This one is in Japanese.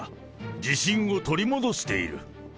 自信を取り戻している。